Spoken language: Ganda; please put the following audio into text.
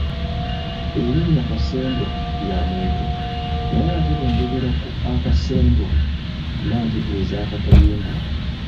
Elinnya Kasendwa lya muntu, naye ate bwe njogera ku Akasendwa mba ntegeeza akkatayimbwa.